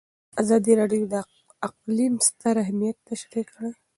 ازادي راډیو د اقلیم ستر اهميت تشریح کړی.